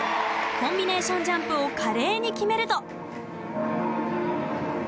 コンビネーションジャンプを華麗に決めると。